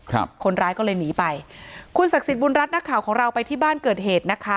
คนร้ายก็เลยหนีไปคุณศักดิ์สิทธิบุญรัฐนักข่าวของเราไปที่บ้านเกิดเหตุนะคะ